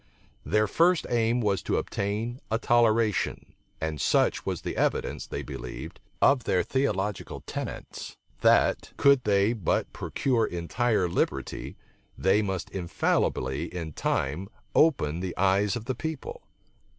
Their first aim was to obtain a toleration; and such was the evidence, they believed, of their theological tenets, that, could they but procure entire liberty, they must infallibly in time open the eyes of the people.